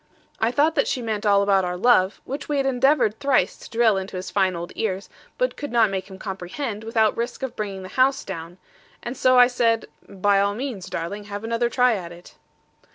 I thought that she meant all about our love, which we had endeavoured thrice to drill into his fine old ears; but could not make him comprehend, without risk of bringing the house down: and so I said, 'By all means; darling; have another try at it.'